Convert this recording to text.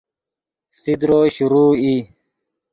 فسیدرو شروع ای